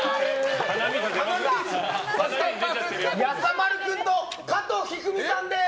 やさまる君と加藤一二三さんです！